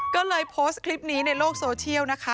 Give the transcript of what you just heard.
ก็เลยโพสต์คลิปนี้ในโลกโซเชียลนะคะ